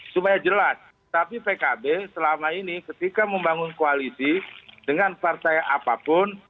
supaya jelas tapi pkb selama ini ketika membangun koalisi dengan partai apapun